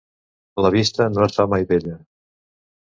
La vista no es fa mai vella.